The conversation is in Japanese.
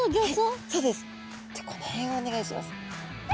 じゃこの辺をお願いします。